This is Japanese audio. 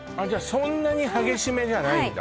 そんなに激しめじゃないんだ